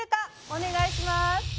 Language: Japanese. お願いします。